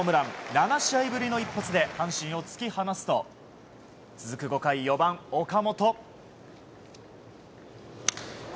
７試合ぶりの一発で阪神を突き放すと続く５回４番、岡本。